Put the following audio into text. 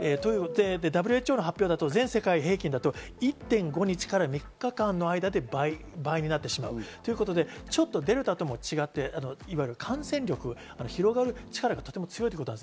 ＷＨＯの発表だと全世界平均だと１．５日から３日間で倍になってしまう。ということでデルタとも違っていわゆる感染力、広がる力がとても強いということです。